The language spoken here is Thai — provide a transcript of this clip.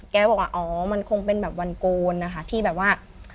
บอกว่าอ๋อมันคงเป็นแบบวันโกนนะคะที่แบบว่า